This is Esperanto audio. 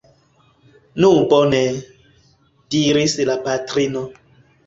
Nu bone! diris la patrino.